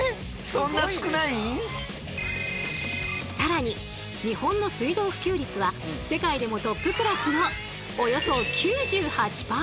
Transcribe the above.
更に日本の水道普及率は世界でもトップクラスのおよそ９８％。